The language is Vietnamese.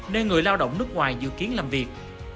nên người lao động nước ngoài dự kiến làm việc